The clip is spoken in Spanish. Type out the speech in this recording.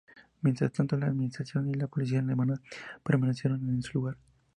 Mientras tanto, la administración y la policía alemanas permanecieron en su lugar.